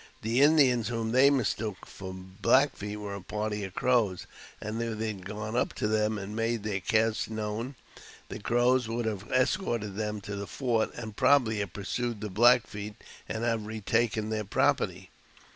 TJ Indians whom they mistook for Black Feet were a party Crows, and if they had gone up to them and made their case known, the Crows would have escorted them to the fort, and probably have pm*sued the Black Feet, and have retaken their L property.